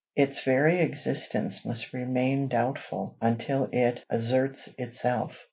Its very existence must remain doubtful until it asserts itself.